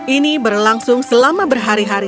ini berlangsung selama berhari hari